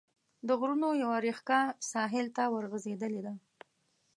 د غرونو یوه ريښکه ساحل ته ورغځېدلې ده.